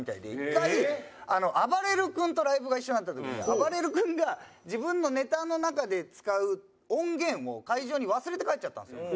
１回あばれる君とライブが一緒になった時にあばれる君が自分のネタの中で使う音源を会場に忘れて帰っちゃったんですよ。